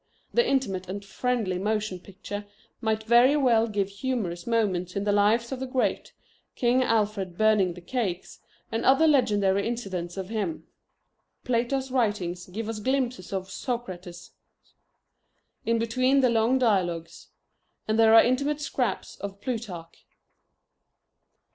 The Intimate and friendly Motion Picture might very well give humorous moments in the lives of the great, King Alfred burning the cakes, and other legendary incidents of him. Plato's writings give us glimpses of Socrates, in between the long dialogues. And there are intimate scraps in Plutarch.